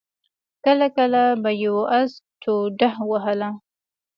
کله کله به يوه آس ټوډه ووهله.